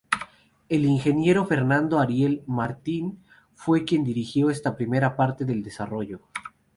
El ingeniero Fernando Ariel Martín fue quien dirigió esta primera parte del desarrollo.